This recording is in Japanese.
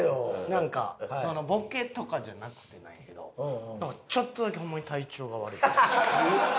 なんかそのボケとかじゃなくてなんやけどちょっとだけホンマに体調が悪いかもしれん。